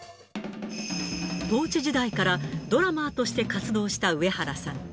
統治時代からドラマーとして活動した上原さん。